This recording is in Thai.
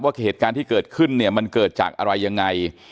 เหตุการณ์ที่เกิดขึ้นเนี่ยมันเกิดจากอะไรยังไง